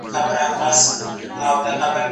زه پرون مېوې وخوړه